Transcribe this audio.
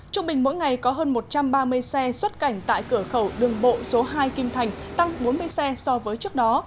trung bình mỗi ngày có hơn một trăm ba mươi xe xuất cảnh tại cửa khẩu đường bộ số hai kim thành tăng bốn mươi xe so với trước đó